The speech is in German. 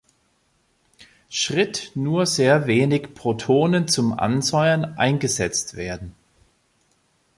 Schritt nur sehr wenig Protonen zum Ansäuern eingesetzt werden.